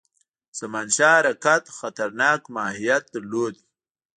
زمانشاه حرکت خطرناک ماهیت درلود.